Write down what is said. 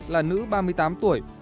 là nữ ba mươi tám tuổi